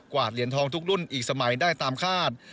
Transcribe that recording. เหรียญทองทุกรุ่นอีกสมัยได้ตามคาด